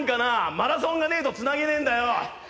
マラソンがねえとつなげられねえんだよ。